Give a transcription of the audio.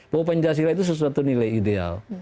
bahwa pancasila itu sesuatu nilai ideal